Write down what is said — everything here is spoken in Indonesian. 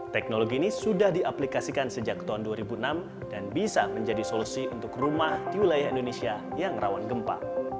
teknologi ini sudah diaplikasikan sejak tahun dua ribu enam dan bisa menjadi solusi untuk rumah di wilayah indonesia yang rawan gempa